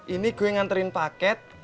ini gue nganterin paket